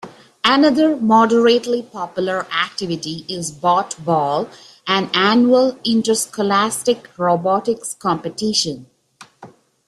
Another moderately popular activity is Botball, an annual interscholastic robotics competition.